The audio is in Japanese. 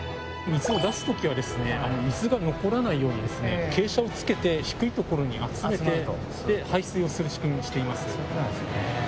水を出す時は水が残らないように傾斜をつけて低いところに集めて排水をする仕組みにしています。